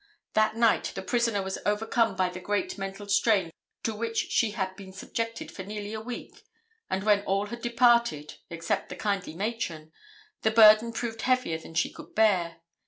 That night the prisoner was overcome by the great mental strain to which she had been subjected for nearly a week and when all had departed, except the kindly matron, the burden proved heavier than she could bear.